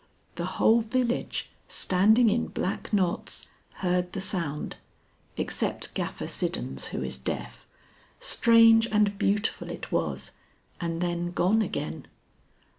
The whole village standing in black knots heard the sound, except Gaffer Siddons who is deaf strange and beautiful it was, and then gone again.